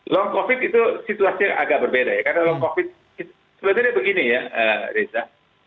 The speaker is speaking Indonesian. long covid itu situasi yang agak berbeda ya karena long covid sebenarnya begini ya reza